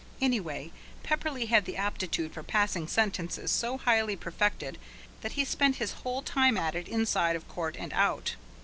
Anyway, Pepperleigh had the aptitude for passing sentences so highly perfected that he spent his whole time at it inside of court and out.